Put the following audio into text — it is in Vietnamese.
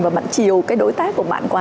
và bạn chiều cái đối tác của bạn quá